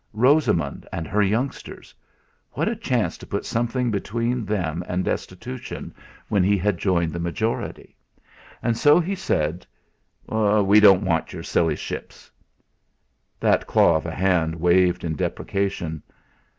Rosamund and her youngsters! What a chance to put something between them and destitution when he had joined the majority! And so he said: "We don't want your silly ships." That claw of a hand waved in deprecation.